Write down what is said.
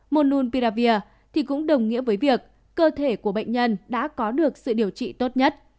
monun piravir thì cũng đồng nghĩa với việc cơ thể của bệnh nhân đã có được sự điều trị tốt nhất